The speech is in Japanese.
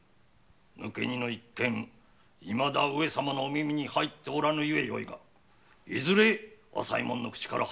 抜け荷の一件いまだ上様のお耳に入っておらぬゆえよいがいずれ朝右衛門の口から入るであろう。